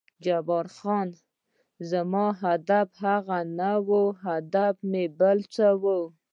جبار خان: زما هدف هغه نه و، هدف مې بل څه و.